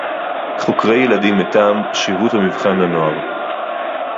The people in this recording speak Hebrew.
חוקרי ילדים מטעם שירות המבחן לנוער